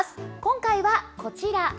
今回はこちら。